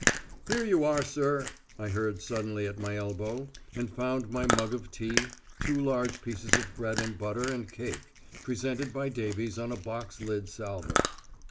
"Here you are, sir," I heard suddenly at my elbow, and found my mug of tea, two large pieces of bread and butter and cake, presented by Davies on a box lid salver.